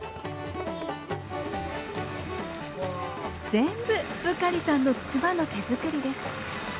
全部ブカリさんの妻の手作りです。